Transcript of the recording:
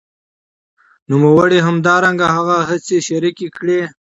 نوموړي همدرانګه هغه هڅي شریکي کړې